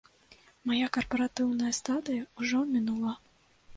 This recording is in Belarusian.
Мая карпаратыўная стадыя ўжо мінула.